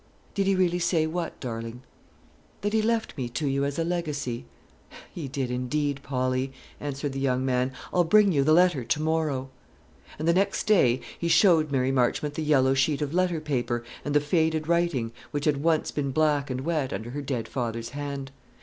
"Did he really say what, darling?" "That he left me to you as a legacy?" "He did indeed, Polly," answered the young man. "I'll bring you the letter to morrow." And the next day he showed Mary Marchmont the yellow sheet of letter paper and the faded writing, which had once been black and wet under her dead father's hand.